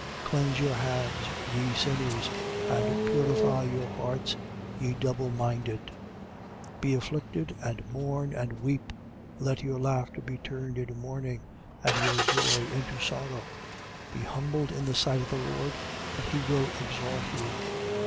Cleanse your hands, ye sinners, and purify your hearts, ye double minded. 4:9. Be afflicted and mourn and weep: let your laughter be turned into mourning and your joy into sorrow. 4:10. Be humbled in the sight of the Lord: and he will exalt you.